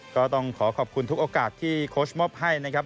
ก็ต้องขอขอบคุณทุกโอกาสที่โค้ชมอบให้นะครับ